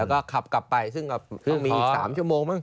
แล้วก็ขับกลับไปซึ่งก็ต้องมีอีก๓ชั่วโมงมั้